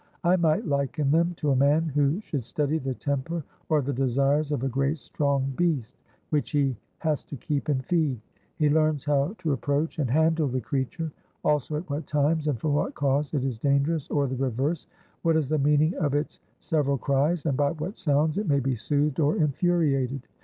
I might liken them to a man who should study the temper or the desires of a great strong beast, which he has to keep and feed; he learns how to approach and handle the creature, also at what times and from what cause it is dangerous, or the reverse; what is the meaning of its several cries, and by what sounds it may be soothed or infuriated.